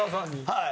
はい。